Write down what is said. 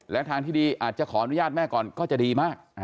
และทางที่ดีอาจจะขออนุญาตแม่ก่อนก็จะดีมาก